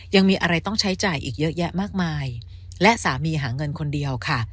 ยังมีอะไรต้องใช้จ่ายอีกเยอะแยะมากมายและสามีหาเงินคนเดียวค่ะ